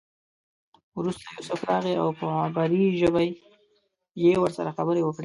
وروسته یوسف راغی او په عبري ژبه یې ورسره خبرې وکړې.